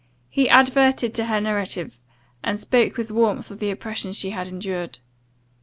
He adverted to her narrative, and spoke with warmth of the oppression she had endured.